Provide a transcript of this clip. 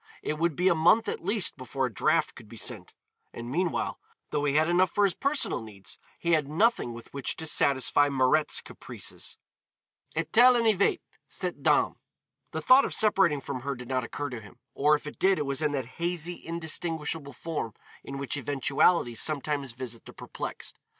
It would be a month at least before a draft could be sent, and meanwhile, though he had enough for his personal needs, he had nothing with which to satisfy Mirette's caprices. Et elle en avait, cette dame! The thought of separating from her did not occur to him, or if it did it was in that hazy indistinguishable form in which eventualities sometimes visit the perplexed.